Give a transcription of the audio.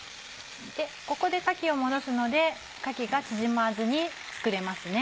ここでかきを戻すのでかきが縮まずに作れますね。